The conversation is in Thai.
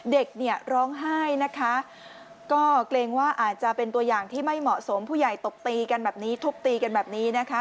เด็กเนี่ยร้องไห้นะคะก็เกรงว่าอาจจะเป็นตัวอย่างที่ไม่เหมาะสมผู้ใหญ่ตบตีกันแบบนี้ทุบตีกันแบบนี้นะคะ